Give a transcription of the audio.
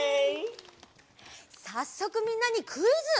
さっそくみんなにクイズ！